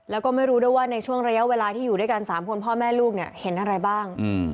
แล้วก็ไม่รู้ด้วยว่าในช่วงระยะเวลาที่อยู่ด้วยกัน๓คนพ่อแม่ลูกเนี่ยเห็นอะไรบ้าง